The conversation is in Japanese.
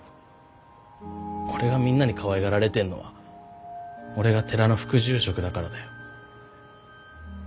俺がみんなにかわいがられてんのは俺が寺の副住職だからだよ。